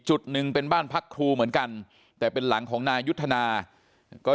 จุดหนึ่งเป็นบ้านพักครูเหมือนกันแต่เป็นหลังของนายยุทธนาก็